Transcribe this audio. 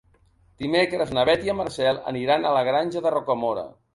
Dimecres na Beth i en Marcel aniran a la Granja de Rocamora.